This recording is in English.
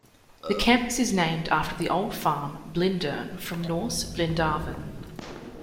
The campus is named after the old farm Blindern from Norse "Blindarvin".